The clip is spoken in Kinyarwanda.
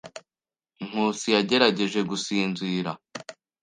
Nkusi yagerageje gusinzira.